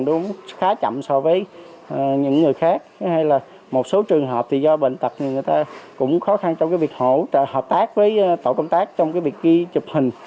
nó khá chậm so với những người khác hay là một số trường hợp thì do bệnh tật thì người ta cũng khó khăn trong cái việc hỗ trợ hợp tác với tổ công tác trong cái việc ghi chụp hình